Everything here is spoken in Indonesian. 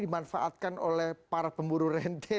dimanfaatkan oleh para pemburu rente